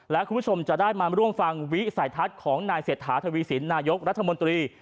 และคุณผู้ชมจะได้มาร่วมฟังวิสัยทัศน์ของนายเศรษฐาทวีสินนายกรัฐมนตรี